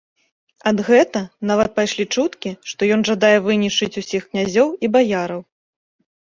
Ад гэта нават пайшлі чуткі, што ён жадае вынішчыць усіх князёў і баяраў.